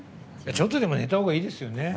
ちょっとでも寝た方がいいですよね。